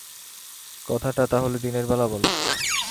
কথাটা তাহলে দিনের বেলা বল।